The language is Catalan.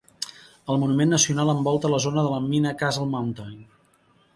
El monument nacional envolta la zona de la mina Castle Mountain.